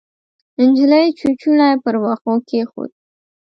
نجلۍ چوچوڼی پر وښو کېښود.